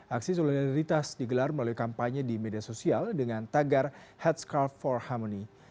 aksi solidaritas digelar melalui kampanye di media sosial dengan tagar headscarf for harmony